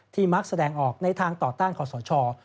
ที่มักแสดงออกในทางต่อต้านของสนชอบ